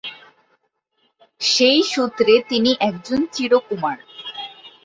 সেই সুত্রে তিনি একজন চির কুমার।